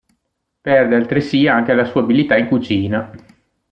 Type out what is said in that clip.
Perde altresì anche la sua abilità in cucina.